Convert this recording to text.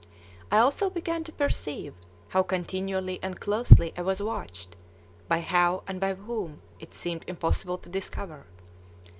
I also began to perceive how continually and closely I was watched, but how and by whom it seemed impossible to discover.